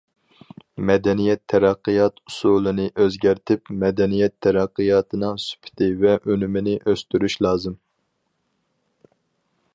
مەدەنىيەت تەرەققىيات ئۇسۇلىنى ئۆزگەرتىپ، مەدەنىيەت تەرەققىياتىنىڭ سۈپىتى ۋە ئۈنۈمىنى ئۆستۈرۈش لازىم.